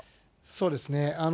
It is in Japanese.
そうですね。